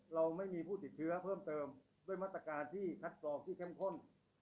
เราไม่มีผู้ติดเชื้อเพิ่มเติมด้วยมาตรการที่คัดกรองที่เข้มข้น